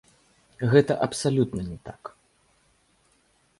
Гэта абсалютна не так.